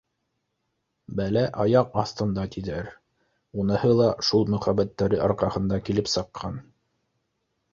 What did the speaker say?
Бәлә аяҡ аҫтында, тиҙәр, уныһы ла шул мөхәббәттәре арҡаһында килеп сыҡҡан